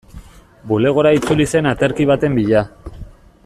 Bulegora itzuli zen aterki baten bila.